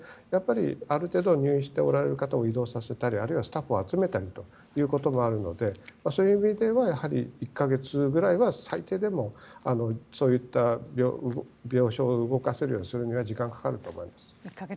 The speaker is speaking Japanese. ある程度入院している方を移動させたりスタッフを集めたりということもあるのでそういう意味では１か月くらいは最低でもそういった病床を動かせるようにするには時間がかかると思います。